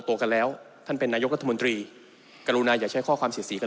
ตัวกันแล้วท่านเป็นนายกรัฐมนตรีกรุณาอย่าใช้ข้อความเสียสีกับ